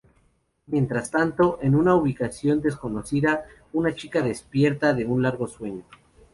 Mientras tanto, en una ubicación desconocida, una chica despierta de un largo sueño.